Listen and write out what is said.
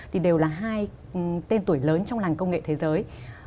thì đều là hai tên tuổi lớn trong lành công nghệ thế giới